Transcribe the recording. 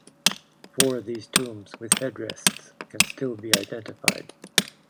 Four of these tombs with headrests can still be identified.